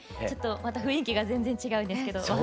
ちょっとまた雰囲気が全然違うんですけど。